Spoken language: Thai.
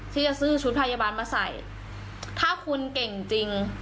ที่จะซื้อชุดพยาบาลมาใส่ถ้าคุณเก่งจริง